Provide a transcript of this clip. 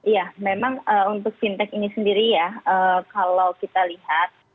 ya memang untuk fintech ini sendiri ya kalau kita lihat